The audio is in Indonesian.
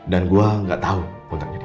dan gue gak tau kontaknya dia